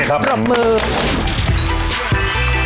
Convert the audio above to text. กลับมือ